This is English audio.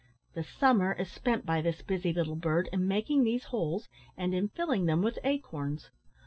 The summer is spent by this busy little bird in making these holes and in filling them with acorns.